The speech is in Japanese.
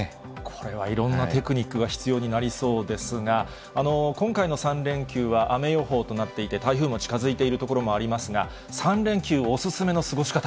これはいろんなテクニックが必要になりそうですが、今回の３連休は雨予報となっていて、台風も近づいている所もありますが、３連休お勧めの過ごし方。